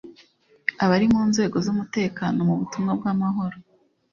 abari mu nzego z’umutekano mu butumwa bw’amahoro